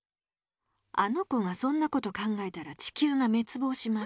あの子がそんなこと考えたら地球がめつぼうします。